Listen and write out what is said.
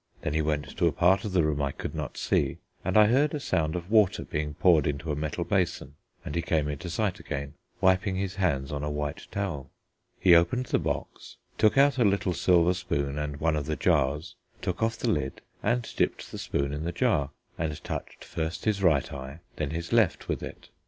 Then he went to a part of the room I could not see, and I heard a sound of water being poured into a metal basin, and he came into sight again, wiping his hands on a white towel. He opened the box, took out a little silver spoon and one of the jars, took off the lid and dipped the spoon in the jar and touched first his right eye and then his left with it.